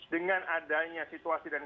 dengan adanya situasi dan